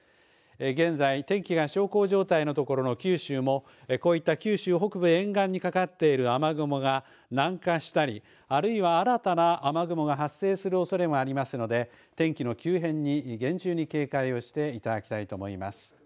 現在、天気が小康状態の所の九州もこういった九州北部沿岸にかかっている雨雲が南下したりあるいは新たな雨雲が発生するおそれもありますので天気の急変に厳重に警戒をしていただきたいと思います。